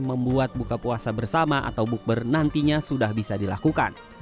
membuat buka puasa bersama atau bukber nantinya sudah bisa dilakukan